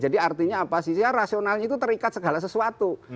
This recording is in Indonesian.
jadi artinya apa sih ya rasionalnya itu terikat segala sesuatu